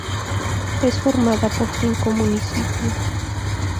Es formada por cinco municipios.